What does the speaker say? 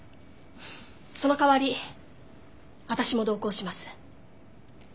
そのかわり私も同行します。